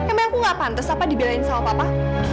emang aku gak pantas apa dibelain sama papa